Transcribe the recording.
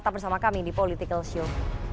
tetap bersama kami di political show